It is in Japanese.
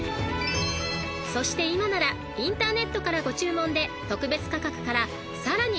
［そして今ならインターネットからご注文で特別価格からさらに５％オフに］